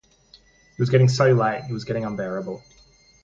It was getting so late; it was getting unbearable.